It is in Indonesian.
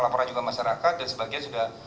laporan juga masyarakat dan sebagian sudah